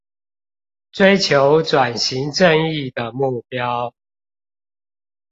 追求轉型正義的目標